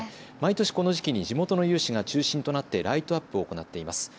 毎年この時期に地元の有志が中心となってライトアップを行っています。